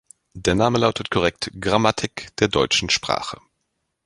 Der Name lautet korrekt: "Grammatik der Deutschen Sprache".